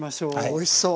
おいしそう！